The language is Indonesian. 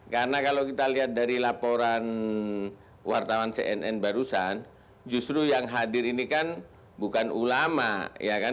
karena kalau kita lihat dari laporan wartawan cnn barusan justru yang hadir ini kan bukan ulama ya kan